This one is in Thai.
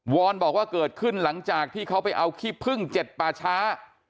อนบอกว่าเกิดขึ้นหลังจากที่เขาไปเอาขี้พึ่ง๗ป่าช้า